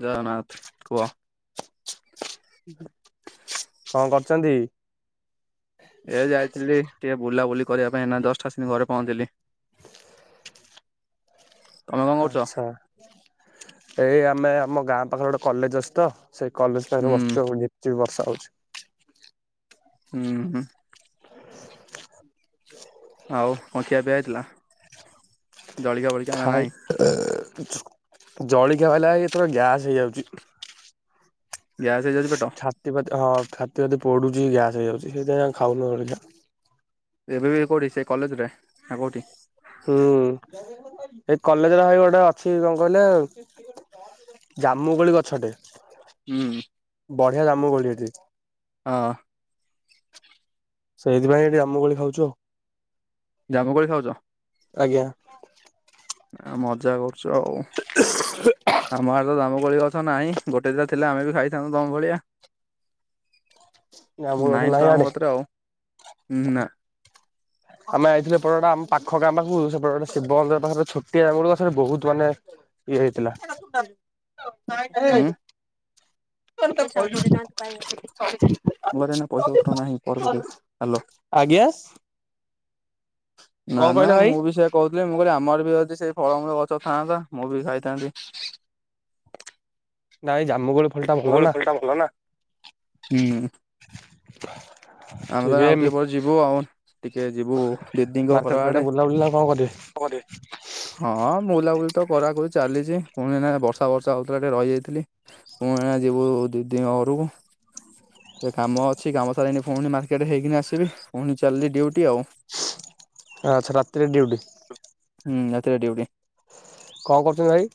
ଜଗନ୍ନାଥ କୁହ କଣ କରୁଛନ୍ତି? ଏ ଯାଇଥିଲି ଟିକେ ବୁଲାବୁଲି କରିବା ପାଇଁ, ଏଇନା ଜଷ୍ଟ ଆସିି ଘରେ ପହଞ୍ଚିଲି। ତମେ କଣ କରୁଛ? ଆଛା, ଏଇ ଆମେ ଆମ ଗାଁ ପାଖରେ ଗୋଟେ କଲେଜ ଅଛି ତ। ସେଇ କଲେଜ ପାଖରେ ହୁଁ ବସିଛୁ ଆଉ। ଝିପ୍ ଝିପ୍ ବର୍ଷା ହଉଛି। ହୁଁ- ହୁଁ। ଆଉ କଣ ଖିଆ ପିଆ ହେଇଥିଲା? ଜଳିଖିଆ ଫଳିଖିଆ ନା ନାହିଁ? ଜଳଖିଆ ଖାଇଲା ବେଳକୁ, ଏଥର ଗ୍ୟାସ୍ ହେଇଯାଉଛି। ଗ୍ୟାସ। ହେଇଯାଉଛି ପେଟ ଛାତି ପାତି ହଁ ଛାତି ପାତି ପୋଡୁଛି, ଗ୍ୟାସ ହେଇଯାଉଛି। ସେଇଥିାଇଁ ଆଉ ଖାଉନୁ ଜଳଖିଆ। ଏବେ ବି କୋଉଠି ସେ କଲେଜରେ, ନା କୋଉଠି? ହୁଁ। ଏଇ କଲେଜରେ ଭାଇ ଗୋଟେ ଅଛି କଣ କହିଲେ? ଜାମୁ କୋଳି ଗଛଟେ। ହୁଁ। ବଢିଆ ଜାମୁକୋଳି ଏଠି। ହଁ। ସେଇଥିପାଇଁ ଏଠି ଜାମୁକୋଳି ଖାଉଛୁ ଆଉ। ଜାମୁକୋଳି ଖାଉଛ? ଆଜ୍ଞା ଆଉ ମଜା କରୁ ଚ ଆଉ ଆମ ଆଗ ଆମ ଭଳି ଗଛ ନାହିଁ ଗୋଟେ ଦା ଥିଲାଥିଲେ ଆମେ ବି ଖାଇଥାନ୍ତୁ ତମ ଭଳିଆ। ଜାମୁ ଗଛ ନାଇଁ ନାହିଁ ତ ଇଆଡେ ଆମ କଥରେ ଆଉ ନା ଆମେ ଆଇଥିଲେ ପଟେ ଆମ ପାଖ ଗ ଆମ ପାଖକୁଟ ଶିବ ମନ୍ଦିର ପାରେ ଛୋଟିଆ ପାରେ ବହୁତ ମାନେ ଇଏ ହେଇଥିଲା [unintelligible] [inaudible] ଉଁ ତ କହିଲୁ [inaudible] ମୋରେନା ପଇସା ଉତ୍ତର ନାହିଁ ପରବର୍ତୀ ହାଲୋ। ବସ୍। ନା ନା ମୁଁ ବି ସେୟଆ କହୁଥିଲି ମୁଁ କହିଲି ଆମର ବି ଅଛି ସେ ଫଳମ ଗଛ ଥାଆନ୍ତା ମୁଁ ବି ଖାଇଥାନ୍ତି। ନାଇଁ ଜାମୁ କୋଳି ବୋଉଳ କୋଳି ଟା ଭଲ ନା। [inaudible] ଆମେ ତ ଟିକେ ଆଉ ମି ଟିକ ପରେ ଯିବୁ ଆଉ ଟିକେ ଯିବୁ ଦିଦିଙ୍କ ଘର ମାର୍କେଟ ଆଡେ ଆଡ଼େ। ବୁଲାବୁଲି ନା କଣ କରିବେ କଉଠି ହଁ ବୁଲାବୁଲି ତ କରାକ ଚାଲିଛି ପୁଣି ନା ବର୍ଷା ବର୍ଷା ହଉଥିଲା ଟିକେ ରହିଯାଇଥିଲି ପୁଣି ଯିବୁ। ଦି ଦିନ ଘରୁ ଏ କାମ ଅଛି କାମ ସାରି। ପୁଣି ମାର୍କେଟରେ ହେଇକିନି ଆସିବି ପୁଣି ଚାଲିଲି ଡଉଟି ଆଉ। ଆଚ୍ଛା ରାତିିରେ ଡିଉଟି। ହୁଁ ଆତ ଡିଉଟିି। କଣ କରୁଛନ୍ତି ଭାଇ।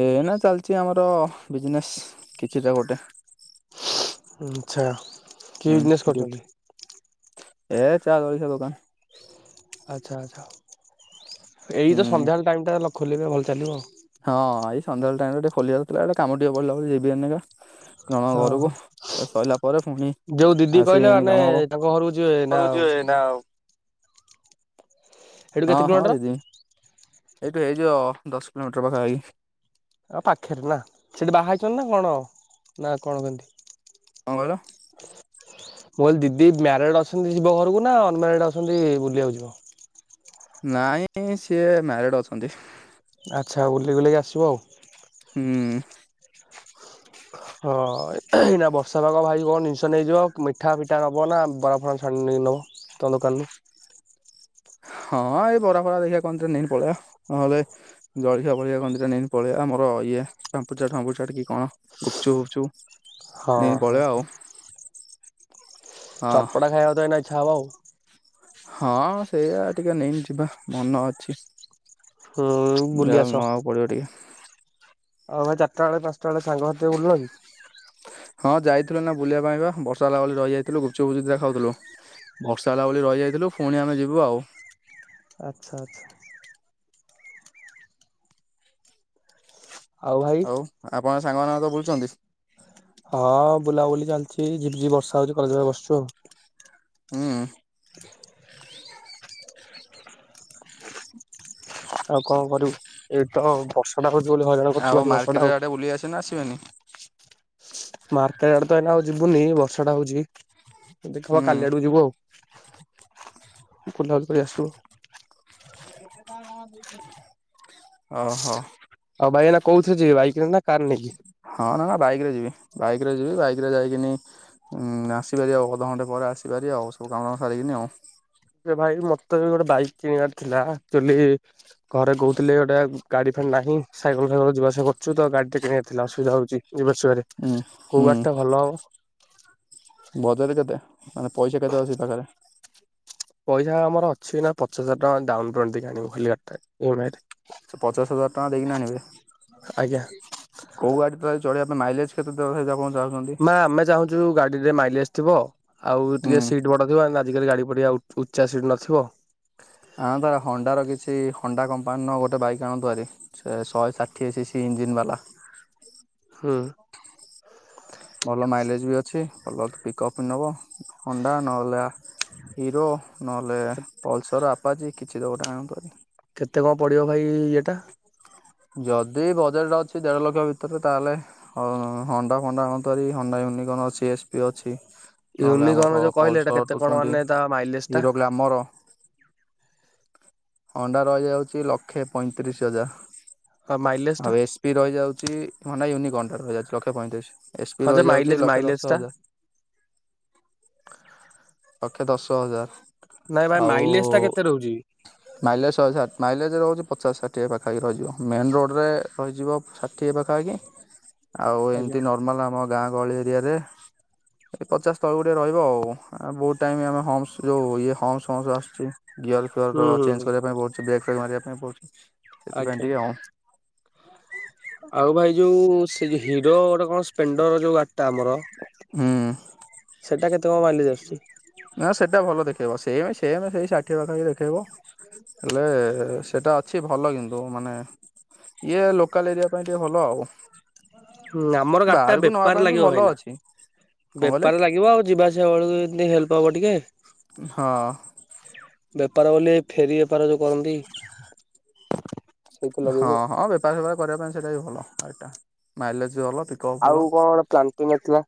ଏଇ ନା ଚାଲିଛି ଆମର ବିଜନେସ କିଛିଟା ଗୋଟେ। ଆଛା କିଏ ହୁଁ ବିଜନେସ୍ ଡ୍ୟୁଟି କରୁଛନ୍ତି। ଏ ଚା ଜଳଖିଆ ଦୋକାନ। ଆଚ୍ଛା ଆଚ୍ଛା ଏଇ ତ ହୁଁ। ସନ୍ଧ୍ୟାବେଳେ ଟାଇମ୍ଟା ଖୋଲିବେ ଭଲ ଚାଲିବ ଆଉ। ହଁ ଏଇ ସନ୍ଧ୍ୟାବେଳେ ଟାଇମ ଟିକେ ଖୋଲିବାର ଥିଲା ଏଟା କାମ ଟିକେଢିଲା ଯିବି। ଜଣ ହଁ ହଁ ଘରକୁ ସରିଲା ପରେ ପୁଣି। ଯୋଉ ଦିଦି ଆସିକି କହିଲେ ଏଇନେ ମାନେ କାମ ହବ। ତାଙ୍କ ଘର ହଉଛି ନା ଘରକୁ ଯିବେ ନା ଆଉ ହଁ କେତେ ହଁ କିଲୋମିଟର? ଦିଦି ଏଇଠୁ ହେଇଯିବ ଦଶ କିଲୋମିଟର ପାଖାଖି। ଆଉ ପାଖରେ ନା ସେଠି ବାହାଇଛନ୍ତି ନା କଣ ନା କଣ କେମତି? କଣ କହିଲ? ମୁଁ କହିଲି ଦିଦି ମ୍ୟାରିଡ ଅଛନ୍ତି ଯିବ ଘରକୁ ନା ଅନମାରିଡ ଅଛନ୍ତି ବୁଲିବାକୁ ଯିବ। ନାଇଁ ସିଏ ମ୍ୟାରିଡ ଅଛନ୍ତି। ଆଚ୍ଛା ବୁଲ ବୁଲିକି ଆସିବ ଆଉ। ହୁଁ। ହଁ ଏଇ ନା ବର୍ଷା ଭାଗ ଭାଇ କଣ ଜିନିଷ ନେଇଯିବ ମିଠା ଫିଠା ନବ ନା ବରାଫର ଛାଣି ନେଇ ନବ ତମ ଦୋକାନରୁ। [inaudible] ହଁ ଏଇ ବରା ଫରା ଦେଖିବା କନ୍ଦରେ ନେଇନି ପଳେଇଆ ନହେଲେ ଜଳଖଆ ପଳିଆ କନ୍ଦରେ ନେଇନି ପଳେଇଆ ଆଉ। ଆମର ଇଏ ଫାପୁ ଫମ୍ୁ କି କଣ ଗୁପଚୁୁପଚୁ। ହଁ ହଁ ଠିକ୍ ଠିକ୍ ହଁ ଚଟପଟା ଖାଇବାକୁ ତ ଏ ନହିଛା ହବ ଆଉ। ହଁ ସେଇଆା ଟିକେ ନେଇ ଯିବା ମନ ଅଛି। ହୁଁ ଯାହା ବୁଲି ଲେ ଆସ ନବାକୁ ପଡିବ ଟିକେ। ଆଉ ଭାଇ ଚାରିଟା ବେଳେ ପାଞ୍ଚଟା ବେଳେ ସାଙ୍ଗ ସାା ବୁଲିଲ କି? ହଁ ଯାଇଥିଲୁ ନା ବୁଲିବା ପାଇଁ ବା ବର୍ଷା ହେଲା ବଳେ ରହିଯାଇଥିଲୁ ଗୁପଚୁପୁଚୁି ଖାଉଥିଲୁ। ବକ୍ସା ହେଲା ଭଳି ରହିଯାଇଥିଲୁ ପୁଣି ଆମେ ଯିବୁ ଆଉ। ଆଚ୍ଛା ଆଚ୍ଛା। ଆଉ ଭାଇ ହଉ ଆପଣ ସାଙ୍ଗ ମାନଙ୍କ ତ ବୁଲୁଛନ୍ତି। ହଁ ବୁଲାବୁଲି ଚାଲିଛି ଯିଝି ବର୍ଷା ହଉଛି କରିିବା ବସିଛୁ ଆଉ। ହୁଁ। ଆଉ କଣ କରିବୁ? ଏଇଟି ତ ବର୍ଷାଟା ହଉଛି ବୋଲି ହଇରାଣ କରୁଛି ଆଉ ଭାରି ମାର୍କେଟ ବର୍ଷାଟା ଆଉ। ଆଡେ ବୁଲି ଆସେ ନା ଆସିବେନି? ମାର୍କେଟ୍ ଆଡେ ତ ଏଇନା ଆଉ ଯିବୁନି, ବର୍ଷାଟା ହଉଛି, ଦେଖିବା ହୁଁ କାଲି ଆଡକୁ ଯିବୁ ଆଉ। ବୁଲାବୁଲି କରି ଆସିବୁ। କେଟା କ ଓହୋ। କୋଉଥିରେ ଯିବେ ବାଇକରେ ନା କାର ନେଇକି? ହଁ ନା ନା ବାଇକରେ ଯିବି। ବାଇକରେ ଯିବି, ବାଇକ୍ ଯାଇକିନି, ଉମ୍ ଆସିପାରିବି ଆଉ ଅଧଘଣ୍ଟେ ପରେ ଆସିପାରିବି ଆଉ, ସବୁ କାମ ସାରିକିନି ଆଉ। ଆରେ ଭାଇ ମତେ ଗୋଟେ ବାଇକ୍ କିଣିବାର ଥିଲା। ଆକ୍ଚୁଆଲି ଘରେ କହୁଥିଲେ, ଗୋଟେ ଗାଡି ଫାଡି ନାହିଁ ସାଇକଲ ଫାଇକଲରେ ଯିବାଆସିବା କରୁଚୁ ତ, ଗାଡିଟେ କିଣିଆର ଥିଲା ଅସୁବିଧା ହଉଛି। ଯିବା ଆସିବାରେ। ହୁଁ କୋଉ ଗାଡ଼ିଟା ଭଲ ହବ? ବଜେଟ୍ କେତେ? ମାନେ ପଇସା କେତେ ଅଛି ପାଖରେ? ପଇସା ଆମର ଅଛି ଏଇନା ପଚାଶ ହଜାର ଟଙ୍କା ଡାଉନ ପେମଣ୍ଟ ଦେଇ ଆଣିବୁ ଖାଲି ଗାଡ଼ିଟା, ଇ ଏମ୍ ଆଇ ରେ। ସେ ପଚାଶ ହଜାର ଟଙ୍କା ଦେଇକିନା ଆଣିବେ, ଆଜ୍ଞା। କୋଉ ଗାଡି ପ୍ରାୟ ଚଳେଇବା ତା ମାଇଲେଜ୍ କେତେ [unintelligible] ମା ଆମେ ଚାହୁଁଛୁ ଗାଡିରେ ମାଇଲେଜ ଥିବ, ଆଉ ଟିକେ ହୁଁ ସିଟ୍ ବଡ ଥିବ [unintelligible] ଆଜିକାଲି ଗାଡି ଫାଡ଼ି ଆଉ ଉ-ଉଚ୍ଚା ସିଟ ନଥିବ। ହଁ ବା ହଣ୍ଡାର କିଛି, ହୋଣ୍ଡା କମ୍ପାନୀର ଗୋଟେ ବାଇକ୍ ଆଣନ୍ତୁ ହାରି, ଶହେ ଷାଠିଏ ସି ସି ଇଞ୍ଜିନ ବାଲା। ହୁଁ। ଭଲ ମାଇଲେଜ ବି ଅଛି, ଭଲ ପିକ୍ଅପ୍ ବି ନବ ହୋଣ୍ଡା, ନହେଲେ ହିରୋ, ନହଲେ ପଲସର, ଆପ ନବା ଯେ କିଛି ତ ଗୋଟେ ଆମ୍ପରେ କେତେ କଣ ପଡିବ ଭାଇ ଇଏଟା? ଯଦି ବଜେଟ ଅଛି ଦେଢ ଲକ୍ଷ ଭିତରେ ତାହେଲେ, ହୋ-ହୋଣ୍ଡା ଫଣ୍ଡା ଆଣନ୍ତ ହାରି ହୋଣ୍ଡାଇ ୟୁନିକର୍ଣ୍ଣ ଅଛି, ଏସ୍ ପି ଅଛି ନହେଲେ ୟୁନିକର୍ଣ୍ଣ ଆମର ଯୋଉ କହିଲେ ଏଇଟା ପଲସର, କେତେ ଟୁ କଣ ଟ୍ୱେଣ୍ଟି, ମାନେ ତା ମାଇଲେଜ ଟା? Hero Glamour. ହୋଣ୍ଡା ରହିଯାଉଛି ଲକ୍ଷେ ପଇଁତିରିଶ ହଜାର। ହଁ ମାଇଲେଜ ଟା ଆଉ ଏସ୍ ପି ରହିଯାଉଛି, ହୋଣ୍ଡା ୟୁନିକର୍ଣ୍ଣଟା ରହିଯାଉଛି ଲକ୍ଷେ ପଇଁତିରିଶ। ଏସ୍ ପି ହଁ ଯେ ରହିଯାଉଛି ମାଇଲେଜ ଲକ୍ଷେ ମାଇଲେଜ ଦଶ ଟା ହଜାର। ଲକ୍ଷେ ଦଶ ହଜାର। ନାଇଁ ଭାଇ ଆଉ ମାଇଲେଜ ଟା କେତେ ରହୁଛି? ମାଇଲେଜ ଶହେ ସାତ, ମାଇଲେଜ ରହୁଛି ପଚାଶ ସାଠ ଷାଠିଏ ପାଖାପାଖି ରହିଯିବ। ମେନ୍ ରୋଡ଼ରେ ରହିଯିବ ଷାଠିଏ ପାଖାପାଖି ଆଉ ଆଜ୍ଞା। ଏମତି ନର୍ମାଲ ଆମ ଗାଁ ଗହଳି ଏରିଆରେ, ଏଇ ପଚାଶ ତଳକୁ ଟିକେ ରହିବ ଆଉ। ଆ ବହୁତ ଟାଇମ ଆମେ ହମ୍ସ ଯୋଉ ଇଏ ହମ୍ସ ଫମ୍ସ ଆସୁଛି, ଗିୟର ହୁଁ ଫିଅର ହୁଁ ହୁଁ ଚେଞ୍ଜ କରିବା ପାଇଁ ବହୁତ [unintelligible] ବ୍ରେକ ମାରିବା ପାଇଁ ପଡୁଛି, ସେଥିପାଇଁ ଆଜ୍ଞା ଟିକେ ଆଉ। ଆଉ ଭାଇ ଯୋଉ, ସେ ଯୋଉ ହିରୋ ଗୋଟେ କଣ ସ୍ପ୍ଲେଣ୍ଡର ଯୋଉ ଗାଡିଟା ଆମର ହୁଁ। ସେଟା କେତେ କଣ ମାଇଲେଜ୍ ଆସୁଛି? ନା ସେଟା ଭଲ ଦେଖେଇବ। ସେମ ସେମ ସେଇ ଷାଠିଏ ପାଖପାଖି ଦେଖେଇବ, ହେଲେ ସେଇଟା ଅଛି ଭଲ କିନ୍ତୁ ମାନେ ଇଏ ଲୋକାଲ ଏରିଆ ପାଇଁ ଟିକେ ଭଲ ଆଉ। ହୁଁ। ଆମର ଗାଡିଟା ବାହାରକୁ ନବା ବେପାର ପାଇଁ ବି ଲାଗିବ ଭଲ ଭାଇନା। ଅଛି କଣ କହିଲେ ବେପାରରେ ଲାଗିବ ଆଉ ଯିବା ଆସିବା ବେଳକୁ ଏନ୍ତି ହେଲ୍ପ ହବ ଟିକେ। ହଁ। ବେପାର ବୋଲି ଏଇ ଫେରି ବେପାର ଯୋଉ କରନ୍ତି। ସେଇଥିରେ ହଁ ଲଗେଇବୁ ହଁ। ବେପାର ଫେପାର କରିବା ପାଇଁ ସେଇଟା ବି ଭଲ ଏଇଟା। ମାଇଲେଜ ବି ଭଲ ପିକଅପ୍ ଭଲ ଆଉ କଣ ଗୋଟେ ପ୍ଲାଣ୍ଟିନ ଥିଲା?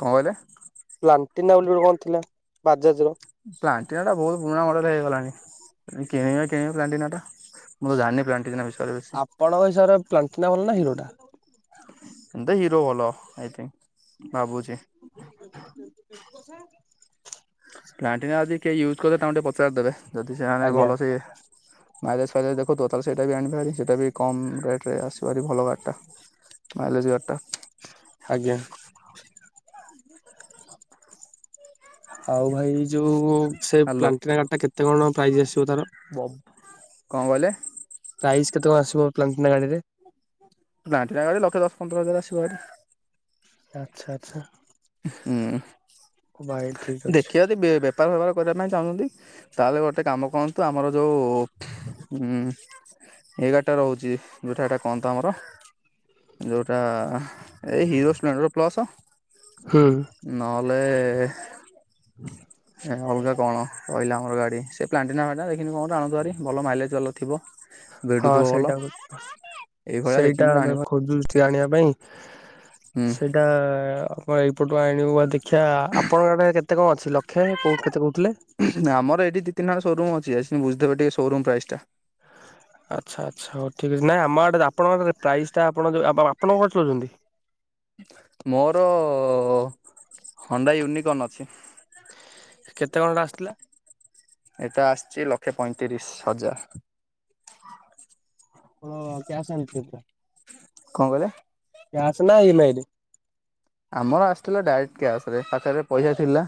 କଣ କହିଲେ? ପ୍ଲାଣ୍ଟିନା ବୋଲି ଗୋଟେ କଣ ଥିଲା, ବାଜାଜର? ପ୍ଲାଣ୍ଟିନାଟା ବହୁତ ପୁରୁଣା ମଡେଲ ହେଇଗଲାଣି, ଯଦି କିଣିବେ କିଣିବେ ପ୍ଲାଣ୍ଟିନାଟା। ମୁଁ ଜାଣିନି ପ୍ଲାଣ୍ଟିନା ବିଷୟରେ ବେଶୀ। ଆପଣଙ୍କ ହିସାବରେ ପ୍ଲାଣ୍ଟିନା ଭଲ ନା ହିରୋ ଟା? ଏମତି ହିରୋ ଭଲ ଆଇ ଥିଙ୍କ ଭାବୁଚି। ପ୍ଲାଣ୍ଟିନା ଯଦି କେହି ୟୁଜ୍ କରୁଥିବେ ତାଙ୍କୁ ଟିକେ ପଚାରିଦେବେ ଯଦି ସେମାନେ ଆଜ୍ଞା। ଭଲ ସେ। ମାଇଲେଜ ଫାଇଲେଜ ଦେଖଉଥିବ ତାହେଲେ ସେଇଟା ବି ଆଣିିବେ ହାରି ସେଇଟା ବି କମ ରେଟ ରେ ଆସିବ ହାରି ଭଲ ଗାଡି ଟା। ମାଇଲେଜ ଗାଡିଟା। ଆଜ୍ଞା ଆଉ ଭାଇ ଯୋଉ ସେ ହ୍ୟାଲୋ ପ୍ଲାନଟିନା ଗାଡି ଟା କେତେ କଣ ପ୍ରାଇଜ ଆସିବ ତାର। କଣ କହିଲେ। ପ୍ରାଇସ୍ କେତେ କଣ ଆସିବ ପ୍ଲାଟିନା ଗାଡିରେ। ପ୍ଲାଟିନା ଗାଡି ଲକ୍ଷେ ଦଶ ପନ୍ଦର ହଜାର ଆସିବ ହାରି। ଆଚ୍ଛା ଆଚ୍ଛା। ହୁଁ ଭାଇ ଠିକ ଅଛି। ଦେଖିିବା ଯଦି ବେ ବେପାର ଫେପାର କରିବା ପାଇଁ ଚାହୁଁଛନ୍ତି ତାହେଲେ ଗୋଟେ କାମ କରନ୍ତୁ ଆମର ଯୋଉ ଉଁ। ଏଇ ଗାଡିଟା ରହୁଛି ଯୋଉଟା ଏଟା କଣ ତ ଆମର ଯୋଉଟା। ଏଇ ହିରୋ ସ୍ପ୍ଲେଣ୍ଡର ପ୍ଲସ୍ସ। ହଁ। କଲେ। ଅଲଗା କଣ ରହିଲା ଆମର ଗାଡି ସେ ପ୍ଲାଟିନା ଫ୍ଲାଟିନା ଦେଖିନି କଣ ଆଣନ୍ତୁ ହାରି ଭଲ ମାଇଲେଜ ଭଲ ଥିବ। ହଁ ଭିଡୁଥିବ ଭଲ ସେଇଟା କୁ ଏଇଭଳିଆ ଦେଖିକି ସେଇଟା ଗୋଟେ ଆମେ ଆଣିବ ଖୋଜୁ ଚି ଆଣିବା ପାଇଁ ହୁଁ ସେଇଟା। ହଁ ଏଇପଟୁ ଆଣିବୁ ବା ଦେଖିବା ଆପଣଙ୍କ ଆଡେ କେତେ କଣ ଅଛି ଲକ୍ଷେ କୋଉ କେତେ କ ଆମର ଏଇଠି ଦି ତିନିଟା ଖଣ୍ଡେ ସୋରୁମ ଅଛି ଆଶିକିନି ବୁଝଦେବେ ଟିକେ ସୋରୁମ ପ୍ରାଇସ୍ ଟା। ଆଚ୍ଛା ଆଚ୍ଛା ହଉ ଠିକ ଅଛି ନାଇଁ ଆମ ଆଡେ ଆପଣଙ୍କ ଆଡେ ପ୍ରାଇସ୍ ଟା ଆପଣ ଯୋଉ ଆପଣ କଣ ଗାଡି ଚଲଉଛନ୍ତି। ମୋର ହୋଣ୍ଡା ୟୁନିକନ ଅଛି। କେତେ କଣ ସେଟା ଆସିଥିଲା। ଏଟା ଆସିଛି ଲକ୍ଷେ ପଇଁତିରିଶ ହଜାର। ଓ କ୍ୟାଶ ଆଣିଥିଲେ। ପୁରା। କଣ କହିଲେ। କ୍ୟାସ ନା ଇ ମା ଇ ରେ। ଆମର ଆସିଥିଲା ଡାଇରେକ୍ଟ କ୍ୟାସ ରେ ପାଖରେ ପଇସା ଥିଲା।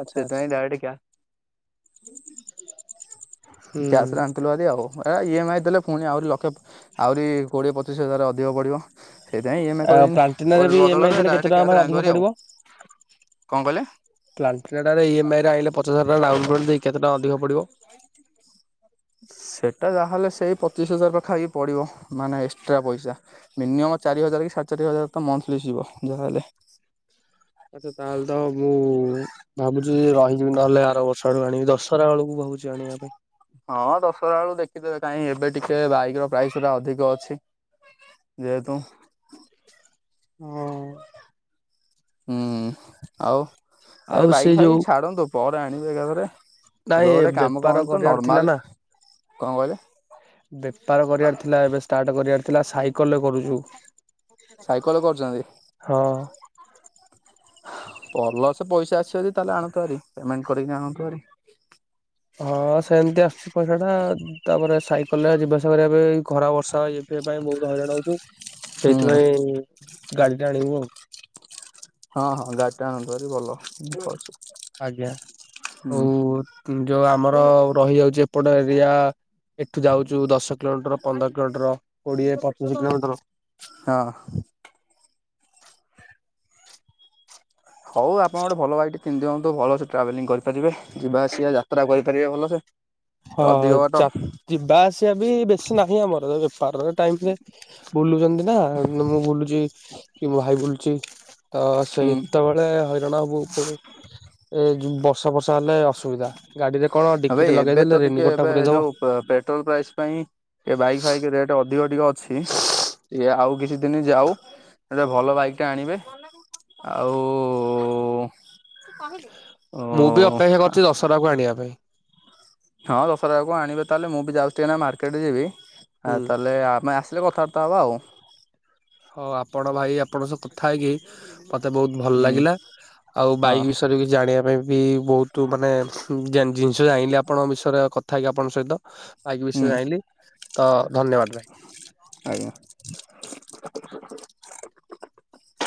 ଆଚ୍ଛା ଆଚ୍ଛା ପାଇଁ ଡାଇରେକ୍ଟ କ୍ୟାସ। ହୁଁ କ୍ୟାସରେ ଆଣିଥିଲୁ ହାରି ଆଉ ଏରା ଇ ଏମ୍ ଆଇ ଦେଲେ ପୁଣି ଆହୁରି। ଲକ୍ଷେ ଆହୁରି କୋଡ଼ିଏ ପଚିଶ ହଜାର ଅଧିକ ପଡ଼ିବ। ସେଇଥିାଇଁ ଇ ଏମ ଆଇ ଆଉ କଲିନି ପ୍ଲାଣ୍ଟିନାରେ କହିଲୁ ବି ଇଏମଆଇ ବଦଳରେ ଦେଲେ କେତେ ଡାଇରେକ୍ଟ କ୍ୟାସରେ ଆଣିଲୁ ଭାରି ଆଉ। କଣ କହିଲେ? ପ୍ଲାନଟିନା ଟା ରେ ଇ ଏମ୍ ଆଇ ରେ ଆଣିଲେ ପଚାଶ ହଜାର ଟଙ୍କା ଡାଉନ୍ପେମେଣ୍ଟ ଦେଇକି କେତେ ଟଙ୍କା। ଅଧିକ ପଡିବ। ସେଟା ଯାହାହେଲେ ସେଇ ପଚିଶ ହଜାର ପାଖା ପାଖି ପଡିବ ମାନେ ଏକ୍ସଟ୍ରା ପଇସା। ମିନିମମ୍ ଚାରି ହଜାର କି ସାଢେ ଚାରି ହଜାର ତ ମନ୍ଥଲି ଯିବ ଯାହାହଲେ। ଆଛା ତାହେଲେ ତ ମୁଁ ଭାବୁଛି ରହିଯିବି ନହେଲେ ଆର ବର୍ଷ ଆଡକୁ ଆଣିବି ଦଶହରା ବେଳକୁ। କହୁଛି ଆଣିବା ପାଇଁ। ହଁ ଦଶହରା ବେଳୁକୁ ଦେଖିଦେବେ କାହିଁ ଏବେ ଟିକେ ବାଇକ ର ପ୍ରାଇସ ଗୁରା ଅଧିକ ଅଛି। ଯେହେତୁ। ଉଁ। ହୁଁ ଆଉ ଏ ଆଉ ସେ ବାଇକ ଯୋଉ ଫାଇକ ଛାଡନ୍ତୁ ପରେ ଆଣିବେ ଏକାଥରେ। ଏବେ ନାଇଁ ଏ ଗୋଟେ କାମ ବେପାର କରନ୍ତୁ କରିବାର ନର୍ମାଲ ଥିଲା ନା କଣ କହିଲେ ବେପାର କରିବାର। ଥିଲା ଏବେ ଷ୍ଟାର୍ଟ କରିବାର ଥିଲା ସାଇକେଲରେ କରୁଛୁ। ସାଇକେଲ କରୁଛନ୍ତି ହଁ। ଭଲ ସେ ସେ ପଇସା ଆସିବ ଯଦି ତାହେଲେ ଆଣନ୍ତୁ ହାରି ପେମେଣ୍ଟ କରିକି ଆଣନ୍ତୁହାରି। ହଁ ସେମତି ଆସୁଛି ପଇସା ଟା ତାପରେ ସାଇକେଲ ରେ ଯିବା ଆସିବା କରିବା ପାଇଁ। ଖରା ବର୍ଷା ଇଏ ଫିଏ ପାଇଁ ବହୁତ ହଇରାଣ ହଉଛୁ ହୁଁ ସେଇଥିପାଇଁ। ଗାଡ଼ି ଟା ଆଣିବୁ ଆଉ। ହଁ ହଁ ଗାଡି ଟା ଆଣନ୍ତୁ ହାରି ଭଲ ଦି ଆଜ୍ଞା ଆଉ ଯୋଉ ଆମର ରହିଯାଉଛି ଏପଟ ଏରିଆ ଏଠୁ ଯାଉଚୁ ଦଶ କିଲୋମିଟର ପନ୍ଦର କିଲୋମିଟର କୋଡିଏ ପଚିଶ କିଲୋମିଟର। ହଁ। [inaudible] ହଉ ଆପଣ ଗୋଟେ ଭଲ ବାଇକ୍ ଟେ କିିଣିଦିଅନ୍ତୁ। ଭଲସେ ଟ୍ରାଭେଲିଂ କରିପାରିବେ। ଯିବା ଆସିବା ଯାତ୍ରା କରିପାରିବେ ଭଲସେ। ଅଧିକ ହଁ। ବାଟ ଯା ଯିବା ଆସିବା ପି ବେଶୀ ନାହିଁ ଆମର। [unintelligible] ବୁଲୁଛନ୍ତି ନା ମୁଁ ବୁଲୁଚି କି ମୋ ଭାଇ ବୁଲୁଚି। ତ ହୁଁ ସେତେବେଳେ ହଇରାଣ ହବୁ। ପୁଣି ଏ ବର୍ଷା ବର୍ଷା ହେଲେ ଅସୁବିଧା। ଗାଡିରେ କଣ ଡିକି ଏବେ ଟେ ଲ ଏବେ ତ ଟିକେ ଏବେ ଯୋଉ ପେଟ୍ରୋଲ ପ୍ରାଇସ୍ ପାଇଁ ଏ ବାଇକ୍ ଫାଇକ ରେଟ୍ ଅ ଧିକ ଟିକେ ଅଛି। ଆଉ କିଛି ଦିନ ଯାଉ ଗୋଟେ ଭଲ ବାଇକ୍ ଟେ ଆଣିବେ। ଆଉ ଓ ମୁଁ ବି ଅପେକ୍ଷା କରୁଚି ଦଶହରା କୁ ଆଣିବା ପାଇଁ। ହଁ ଦଶହରା ବେଳକୁ ଆଣିବେ ତାହେଲେ ମୁଁ ବି ଯାଉଛି ଟିକେ ନାକୁ ମାର୍କେଟ ଯିବି। ଆ ହୁଁ ତାହେଲେ ଆମେ ଆସିଲେ କଥାବା ଥା ହବ ଆଉ। ହଉ ଆପଣ ଭାଇ ଆପଣଙ୍କ ସହ କଥା ହେଇକି ମତେ ବହୁତ ଭଲ ହୁଁ ଲାଗିଲା। ଆଉ ହଁ ବାଇକ୍ ବିଷୟରେ ଜାଣିବା ପାଇଁ ବି ବହୁତ ମାନେ ଜିନିଷ ଜାଣିଲି ଆପଣଙ୍କ ବିଷୟରେ କଥା ହେଇକି ଆପଣଙ୍କ ସହିତ। ବାଇକ୍ ବିଷୟ ହୁଁ ରେ ଜାଇଁଲି। ତ ଧନ୍ୟବାଦ ଭାଇ। ଆଜ୍ଞା। [inaudible]